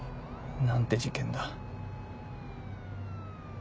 何て事件だ。